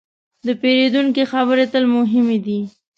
د پیرودونکي خبرې تل مهمې دي.